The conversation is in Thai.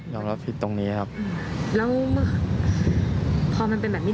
รับผิดตรงนี้ครับแล้วพอมันเป็นแบบนี้